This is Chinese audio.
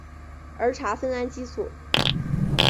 儿茶酚胺激素。